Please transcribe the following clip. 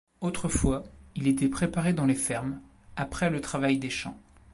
Autrefois, il était préparé dans les fermes, après le travail des champs.